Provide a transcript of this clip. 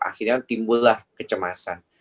akhirnya timbullah kecemasan